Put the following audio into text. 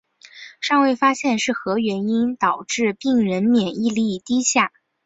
尚未发现是何原因导致病人免疫力低下。